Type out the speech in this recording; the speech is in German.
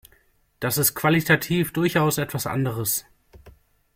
Das ist qualitativ durchaus etwas anderes.